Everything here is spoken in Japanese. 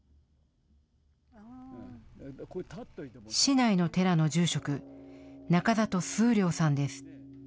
市内の寺の住職、中里崇亮さんです。